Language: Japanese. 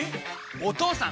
お義父さん！